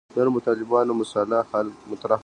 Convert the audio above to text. نرمو طالبانو مسأله مطرح کړه.